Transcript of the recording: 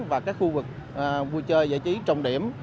và các khu vực vui chơi giải trí trọng điểm